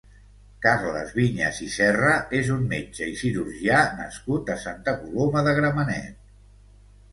Carles Viñas i Serra és un metge i cirurgià nascut a Santa Coloma de Gramenet.